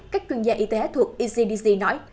các chuyên gia y tế thuộc ecdc nói